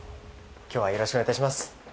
今日はよろしくお願いいたします